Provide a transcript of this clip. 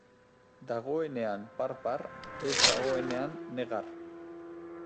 Dagoenean par-par, ez dagoenean negar.